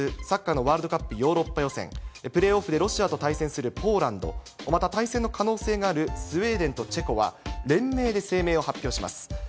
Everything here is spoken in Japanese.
サッカーのワールドカップヨーロッパ予選、プレーオフでロシアと対戦するポーランド、また、対戦の可能性があるスウェーデンとチェコは、連名で声明を発表します。